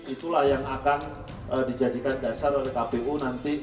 itulah yang akan dijadikan dasar oleh kpu nanti